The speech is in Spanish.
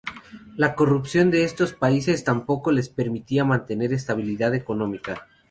La corrupción de estos países tampoco les permitía mantener estabilidad económica.